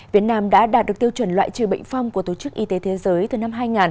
việt nam đã đạt được tiêu chuẩn loại trừ bệnh phong của tổ chức y tế thế giới từ năm hai nghìn